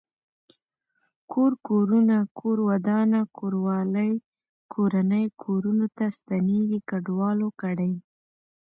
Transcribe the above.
کور کورونه کور ودانه کوروالی کورنۍ کورنو ته ستنيږي کډوالو کډي